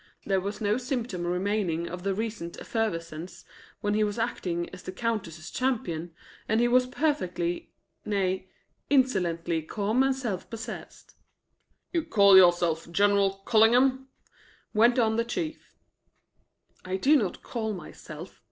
There was no symptom remaining of the recent effervescence when he was acting as the Countess's champion, and he was perfectly nay, insolently calm and self possessed. "You call yourself General Collingham?" went on the Chief. "I do not call myself.